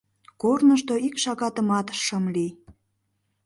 Корнышто ик шагатымат шым лий.